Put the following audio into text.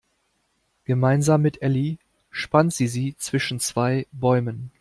Gemeinsam mit Elli spannt sie sie zwischen zwei Bäumen.